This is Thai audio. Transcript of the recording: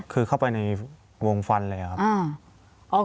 คือเข้าไปในวงฟันเลยครับ